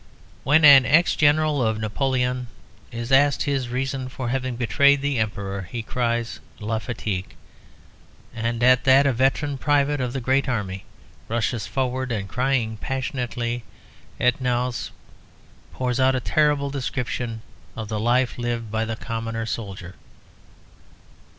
When an ex General of Napoleon is asked his reason for having betrayed the Emperor, he replies, La fatigue, and at that a veteran private of the Great Army rushes forward, and crying passionately, Et nous? pours out a terrible description of the life lived by the commoner soldier.